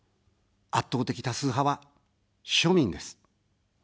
圧倒的多数派は庶民です。